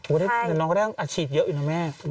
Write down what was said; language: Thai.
คุณน้องก็ได้อาชีสเยอะอีกนะคะแม่